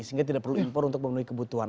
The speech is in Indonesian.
sehingga tidak perlu impor untuk memenuhi kebutuhan